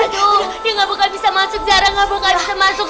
aduh dia gak bakal bisa masuk zara gak bakal bisa masuk